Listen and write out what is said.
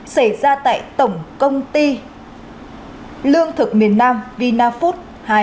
xảy ra tại tổng công ty lương thực miền nam vinafood hai